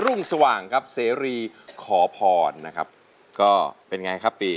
่งสว่างครับเสรีขอพรนะครับก็เป็นไงครับปี